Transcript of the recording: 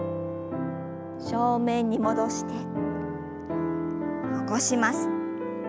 正面に戻して起こします。